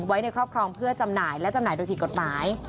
ไว้ในครอบครองเพื่อจำหน่ายและจำหน่ายโดยผิดกฎหมาย